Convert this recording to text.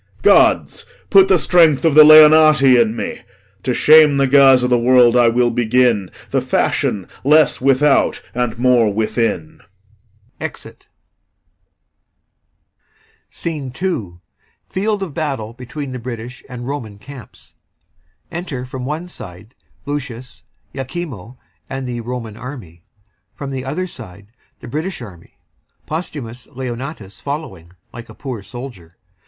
Gods, put the strength o' th' Leonati in me! To shame the guise o' th' world, I will begin The fashion less without and more within. Exit SCENE II. Britain. A field of battle between the British and Roman camps Enter LUCIUS, IACHIMO, and the Roman army at one door, and the British army at another, LEONATUS POSTHUMUS following like a poor soldier.